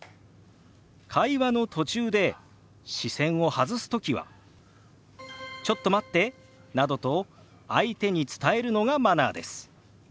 会話の途中で視線を外すときは「ちょっと待って」などと相手に伝えるのがマナーです。